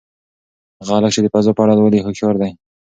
هغه هلک چې د فضا په اړه لولي هوښیار دی.